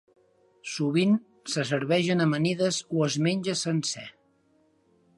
Sovint se serveix en amanides o es menja sencer.